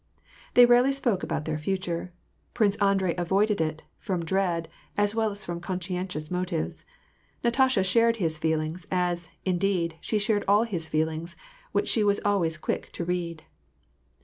They rarely spoke about their future : Prince Andrei avoided it, from dread, as well as from conscientious motives. Natasha shared his feelings, as, in deed, she shared all his feelings, which she was always quick to read.